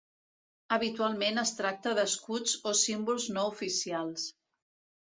Habitualment es tracta d'escuts o símbols no oficials.